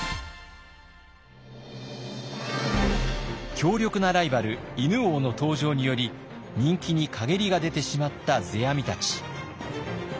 強力なライバル犬王の登場により人気に陰りが出てしまった世阿弥たち。